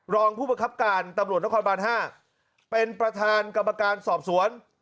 รองผู้ประคับการตำรวจนครบาน๕เป็นประธานกรรมการสอบสวน